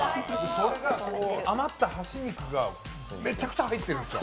それが余った端肉がめちゃくちゃ入ってるんですよ。